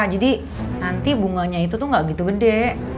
jadi nanti bunganya itu tuh gak gitu gede